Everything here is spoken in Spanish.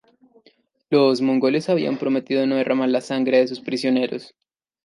Los mongoles habían prometido no derramar la sangre de sus prisioneros.